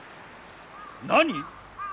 何？